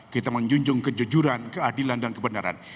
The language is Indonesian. kita menjunjung kejujuran keadilan dan kebenaran